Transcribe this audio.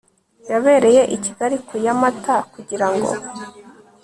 yabereye i Kigali kuya mata kugirango